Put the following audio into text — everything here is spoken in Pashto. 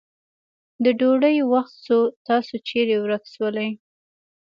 د ډوډی وخت سو تاسو چیري ورک سولې.